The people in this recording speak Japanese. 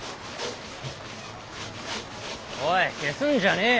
おい消すんじゃねえよ。